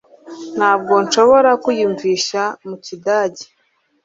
Ntabwo nshobora kwiyumvisha mu kidage